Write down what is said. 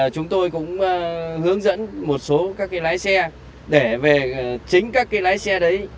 chúng tôi cũng hướng dẫn một số các cái lái xe để về chính các cái lái xe đấy